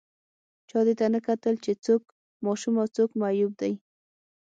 چا دې ته نه کتل چې څوک ماشوم او څوک معیوب دی